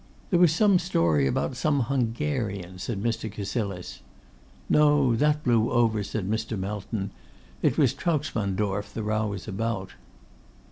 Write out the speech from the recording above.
'There was some story about some Hungarian,' said Mr. Cassilis. 'No, that blew over,' said Mr. Melton; 'it was Trautsmansdorff the row was about.